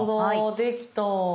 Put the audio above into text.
できた。